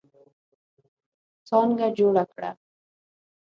څانګه جوړه کړه.